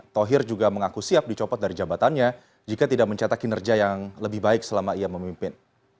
thohir juga mengaku siap dicopot dari jabatannya jika tidak mencetak kinerja yang lebih baik selama ia memimpin